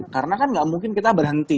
karena kan tidak mungkin kita berhenti